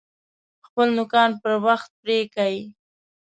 خپل نوکان پر وخت پرې کئ!